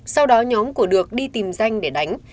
sau đó nhóm của được đi tìm danh để đánh